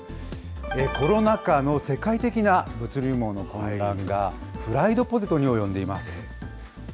コロナ禍の世界的な物流網の混乱がフライドポテトに及んでいます。